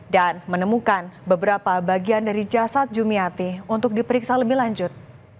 dan menemukan beberapa bagian dari jasad jumiatih untuk diperiksa lebih lanjut